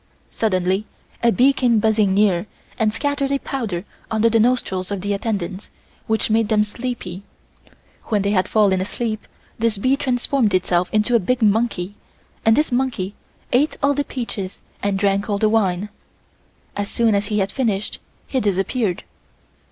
Suddenly a bee came buzzing near and scattered a powder under the nostrils of the attendants, which made them sleepy. When they had fallen asleep, this bee transformed itself into a big monkey and this monkey ate all the peaches and drank all the wine. As soon as he had finished he disappeared.